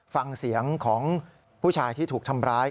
ฟังเสียงของผู้ชายที่ถูกทำร้าย